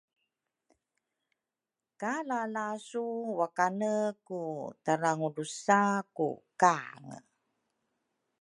ka lalasu wakane ku tarangudusa ku kange.